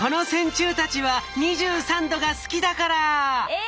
え！